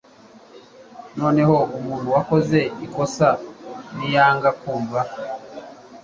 Noneho umuntu wakoze ikosa niyanga kumva,